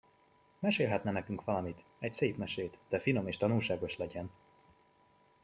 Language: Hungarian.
Mesélhetne nekünk valamit, egy szép mesét, de finom és tanulságos legyen!